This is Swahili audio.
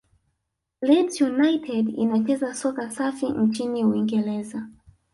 leeds united inacheza soka safi nchini uingereza